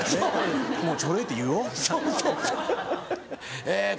もうチョレイって言おうって。